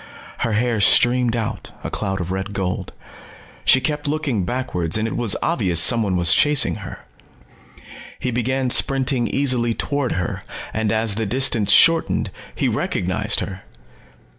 Her hair streamed out, a cloud of red gold. She kept looking backwards and it was obvious someone was chasing her. He began sprinting easily toward her, and as the distance shortened, he recognized her.